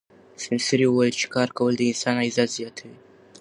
سپین سرې وویل چې کار کول د انسان عزت زیاتوي.